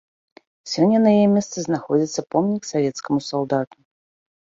Сёння на яе месцы знаходзіцца помнік савецкаму салдату.